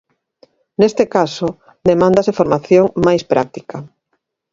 Neste caso, demándase formación "máis práctica".